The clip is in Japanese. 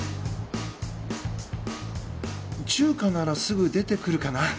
中華ならすぐ出てくるかな。